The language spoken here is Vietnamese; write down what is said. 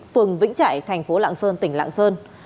phường vĩnh trại thành phố lạng sơn tỉnh lạng sơn